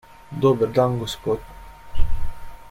Dober dan, gospod.